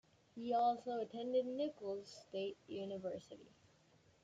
He also attended Nicholls State University.